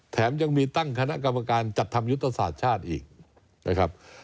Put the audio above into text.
แถมยังมีตั้งคณะกรรมการจัดทำยุทธศาสตร์ชาติอีกนะครับ